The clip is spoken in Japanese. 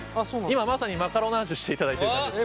今まさにマカロナージュしていただいてる感じですね。